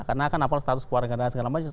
karena kan apalagi status keluarga